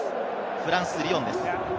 フランス・リヨンです。